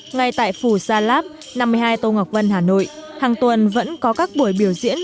ngay tại phù sa lát năm mươi hai tô ngọc vân hà nội hàng tuần vẫn có các buổi biểu diễn